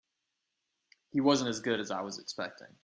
He wasn't as good as I was expecting.